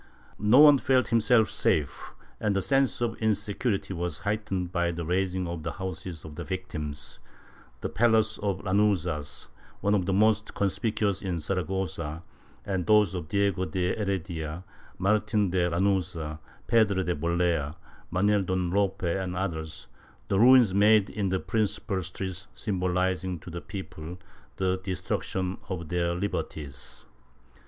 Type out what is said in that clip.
No one felt himself safe, and the sense of insecu rity was heightened by the razing of the houses of the victims — the palace of the Lanuzas, one of the most conspicuous in Saragossa, and those of Diego de Heredia, Martin de Lanuza, Pedro de Bolea, Manuel Don Lope and others — the ruins made in the principal streets symbolizing to the people the destruction of their liberties.